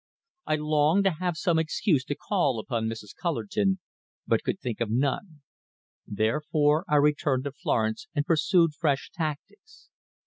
I longed to have some excuse to call upon Mrs. Cullerton, but could think of none. Therefore I returned to Florence and pursued fresh tactics.